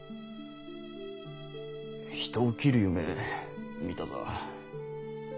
人を斬る夢見ただ。